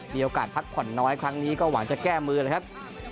มีโอกาสพักผ่อนน้อยครั้งนี้ก็หวังจะแก้มือเลยครับ